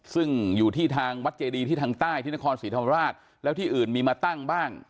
ซึ่งอยู่ที่ทางวัดเจดีที่ทางใต้ที่นครศรีธรรมราชแล้วที่อื่นมีมาตั้งบ้าง